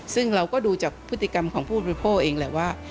ซึ่งเราก็ดูจากพฤติกรรมของผู้บริโภคเองแหละว่า